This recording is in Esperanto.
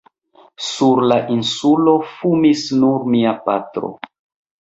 Sur la Insulo fumis nur mia patro.